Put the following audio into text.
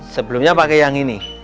sebelumnya pakai yang ini